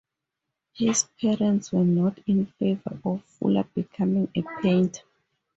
His parents were not in favor of Fuller becoming a painter.